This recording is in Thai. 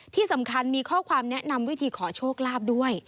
ที่สำคัญมีข้อความแนะนำวิธีขอโชคลาภด้วย